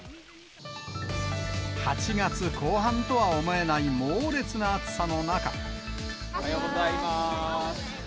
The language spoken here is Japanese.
８月後半とは思えない猛烈なおはようございます。